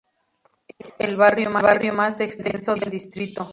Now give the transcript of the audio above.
Es el barrio más extenso del distrito.